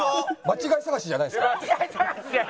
間違い探しじゃないよ！